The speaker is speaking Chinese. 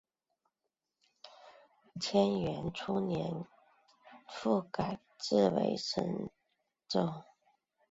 干元初年复改置为深州。